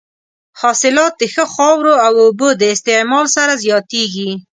حاصلات د ښه خاورو او اوبو د استعمال سره زیاتېږي.